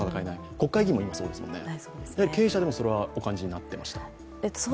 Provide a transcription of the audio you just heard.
国会議員もそうですよね、経営者でもお感じになっていました？